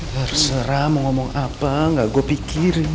terserah mau ngomong apa gak gue pikirin